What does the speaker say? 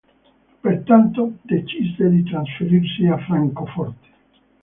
Pertanto, decise di trasferirsi a Francoforte.